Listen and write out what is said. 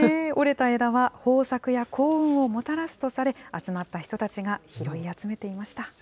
折れた枝は豊作や幸運をもたらすとされ、集まった人たちが拾い集めていました。